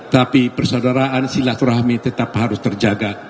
tapi persaudaraan silaturahmi tetap harus terjaga